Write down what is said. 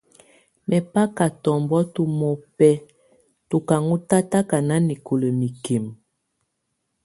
Mɛbaka tɔbɔŋtɔ̀ mɔbɛ̀á tù ka ɔn tataka nanɛkɔla mikimǝ.